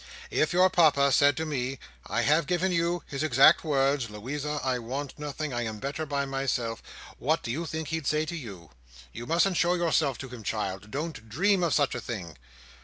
If your Papa said to Me—I have given you his exact words, 'Louisa, I want nothing; I am better by myself'—what do you think he'd say to you? You mustn't show yourself to him, child. Don't dream of such a thing."